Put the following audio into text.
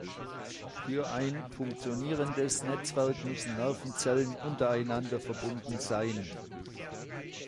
Für ein funktionierendes Netzwerk müssen Nervenzellen untereinander verbunden sein.